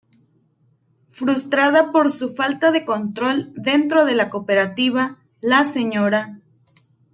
Frustrada por su falta de control dentro de la Cooperativa, la Sra.